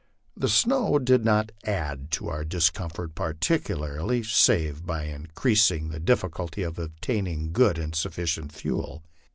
The snow did not add to our discomfort particularly, save by increasing the difficulty of obtaining good and sufficient fuel.